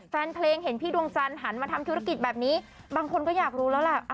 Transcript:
แฟนเพลงเห็นพี่ดวงจันทร์หันมาทำธุรกิจแบบนี้บางคนก็อยากรู้แล้วแหละ